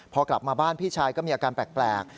พอกลับมาบ้านพี่ชายก็มีอาการแปลก